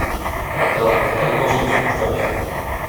— Tak, tak właśnie przypuszczaliśmy.